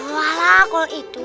jual lah kalau itu